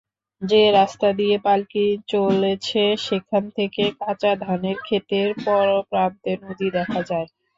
যে রাস্তা দিয়ে পালকি চলেছে সেখান থেকে কাঁচা ধানের খেতের পরপ্রান্তে নদী দেখা যায়।